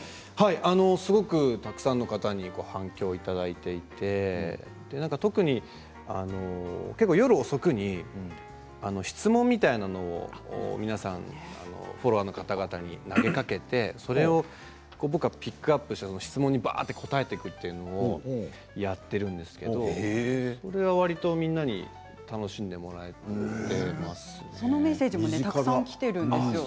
すごくたくさんの方に反響をいただいていて特に結構、夜遅くに質問みたいなの皆さんフォロワーの方々に投げかけてそれを僕がピックアップして質問にバッと答えていくというのをやっているんですけどそれは、わりとみんなに楽しんでもらえていますね。